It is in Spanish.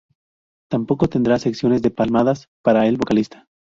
Tampoco tendrá secciones de palmadas para el vocalista.